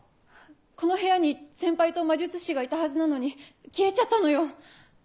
この部屋に先輩と魔術師がいたはずなのに消えちゃったのよ。